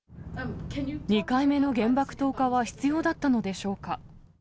２回目の原爆投下は必要だったのでしょうか。